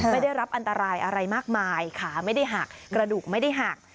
ไม่ได้รับอันตรายอะไรมากมายขาไม่ได้หักกระดูกไม่ได้หัก